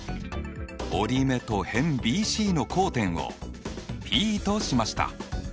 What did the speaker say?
折り目と辺ＢＣの交点をＰとしました。